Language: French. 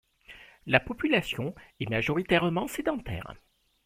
La population est majoritairement sédentaire.